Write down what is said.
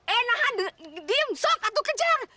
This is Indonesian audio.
eh nahan diam sok aduh kejar